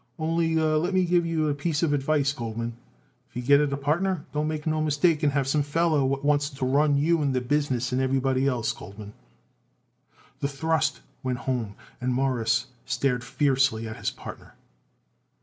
"Only let me give it you a piece of advice, Goldman: If you get it a partner, don't make no mistake and have some feller what wants to run you and the business and everybody else, Goldman." The thrust went home and Morris stared fiercely at his partner.